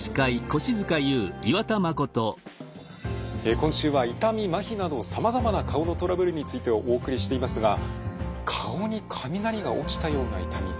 今週は痛みまひなどさまざまな顔のトラブルについてお送りしていますが顔に雷が落ちたような痛み。